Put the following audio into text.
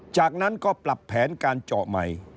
จากนั้นก็ปรับแผนการเจาะใหม่